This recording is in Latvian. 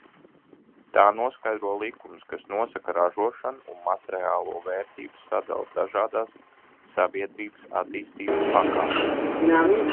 Tā noskaidro likumus, kas nosaka ražošanu un materiālo vērtību sadali dažādās sabiedrības attīstības pakāpēs.